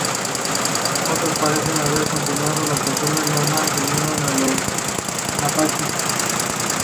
Otros parecen haber continuado sus costumbres nómadas y se unieron a los Apache.